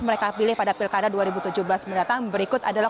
mereka pilih pada pilkada dua ribu tujuh belas mendatang berikut adalah